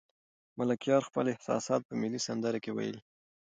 ملکیار خپل احساسات په ملي سندرو کې ویلي.